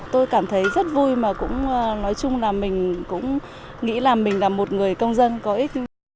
tôi cảm thấy rất vui mà cũng nói chung là mình cũng nghĩ là mình là một người công dân có ích